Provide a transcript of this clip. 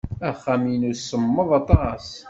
Axxam-inu semmeḍ aṭas.